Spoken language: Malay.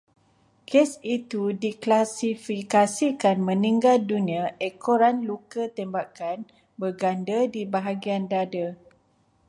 Kes itu diklasifikasikan meninggal dunia ekoran luka tembakan berganda di bahagian dada